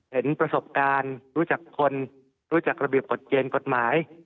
เห็นประสบการณ์รู้จักคนรู้จักระเบียบกฎเกณฑ์กฎหมาย